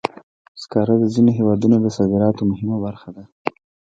سکاره د ځینو هېوادونو د صادراتو مهمه برخه ده.